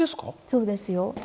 そうですよ。